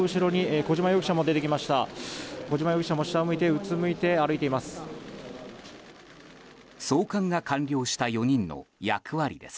小島容疑者も下を向いてうつむいて歩いています。